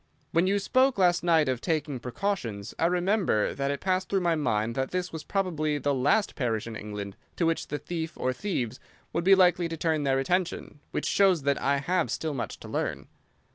When you spoke last night of taking precautions I remember that it passed through my mind that this was probably the last parish in England to which the thief or thieves would be likely to turn their attention—which shows that I have still much to learn."